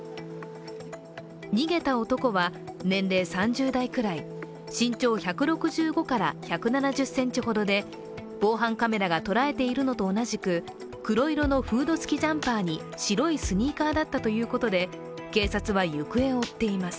逃げた男は年齢３０代くらい、身長１６５から１７０ｃｍほどで防犯カメラが捉えているのと同じく黒色のフード付きジャンパーに白いスニーカーだったということで警察は行方を追っています。